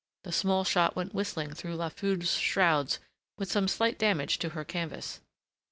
The small shot went whistling through La Foudre's shrouds with some slight damage to her canvas.